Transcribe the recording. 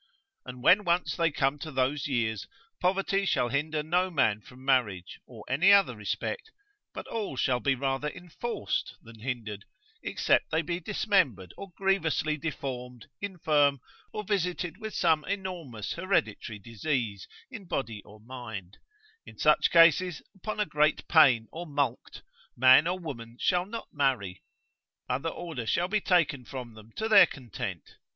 And when once they come to those years, poverty shall hinder no man from marriage, or any other respect, but all shall be rather enforced than hindered, except they be dismembered, or grievously deformed, infirm, or visited with some enormous hereditary disease, in body or mind; in such cases upon a great pain, or mulct, man or woman shall not marry, other order shall be taken for them to their content.